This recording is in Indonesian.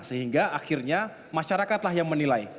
sehingga akhirnya masyarakatlah yang menilai